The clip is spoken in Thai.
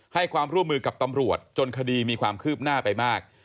ให้ความร่วมมือกับตำรวจจนคดีมีความคืบหน้าไปมาก